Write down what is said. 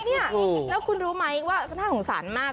เนี่ยแล้วคุณรู้ไหมว่าน่าสงสารมาก